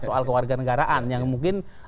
soal kewarganegaraan yang mungkin